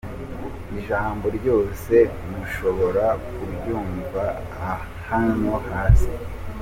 Ijambo ryose mushobora kuryumva hano hasi: